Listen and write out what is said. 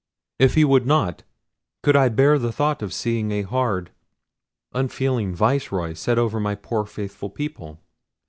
If he would not, could I bear the thought of seeing a hard, unfeeling, Viceroy set over my poor faithful people?